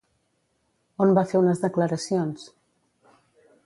On va fer unes declaracions?